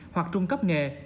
hoặc trung cấp nghề